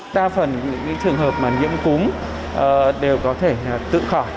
đa phần những trường hợp mà nhiễm cúm đều có thể tự khỏi